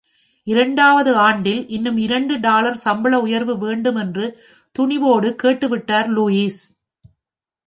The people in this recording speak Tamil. இரண்டாவது ஆண்டில், இன்னும் இரண்டு டாலர் சம்பள உயர்வு வேண்டும் என்றுதுணிவோடு கேட்டுவிட்டார் லூயிஸ்.